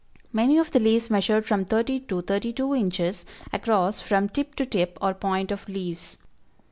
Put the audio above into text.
Many of the leaves measured from thirty to thirty two inches across from tip to tip or point of leaves.